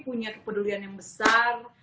punya kepedulian yang besar